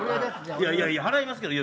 いやいや払いますけど。